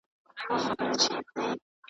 سياسي سبوتاژونه او په پيسو پيرودل پکې عادي وو.